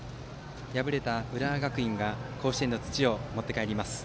敗れた浦和学院が甲子園の土を持ち帰ります。